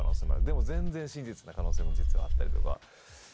でも全然真実な可能性も実はあったりとか。